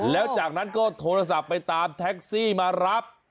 แล้วจากนั้นก็โทรศัพท์ไปตามแท็กซี่มารับ